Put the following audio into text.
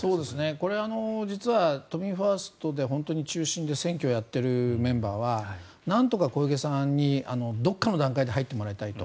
これ、実は都民ファーストで本当に中心で選挙をやっているメンバーはなんとか小池さんにどこかの段階で入ってもらいたいと。